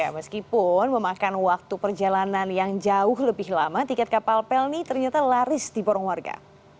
meskipun memakan waktu perjalanan yang jauh lebih lama tiket kapal pelni ternyata laris di borong warga